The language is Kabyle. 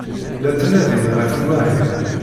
La ttnadin ɣef umahil.